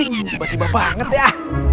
tiba tiba banget ya